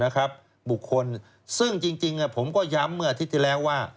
นะครับบุคคลซึ่งจริงจริงฮะผมก็ย้ำเมื่ออาทิตย์ที่แล้วว่า